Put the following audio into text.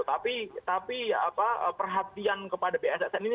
tapi perhatian kepada bssn ini